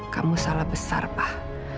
kamu salah besar pak